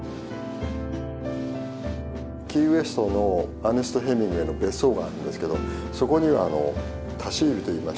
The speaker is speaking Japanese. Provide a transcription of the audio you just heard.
キーウェストのアーネスト・ヘミングウェイの別荘があるんですけどそこには多肢指といいまして